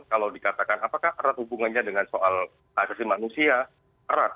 kalau dikatakan apakah erat hubungannya dengan soal asasi manusia erat